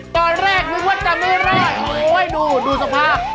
ตอนแรกนึกว่าจะมือร้อยโอ้โฮดูดูสภาพ